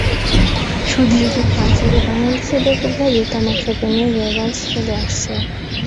সুদীর্ঘকাল থেকে বাংলাদেশে ব্যাপকভাবে তামাক সেবনের রেওয়াজ চলে আসছে।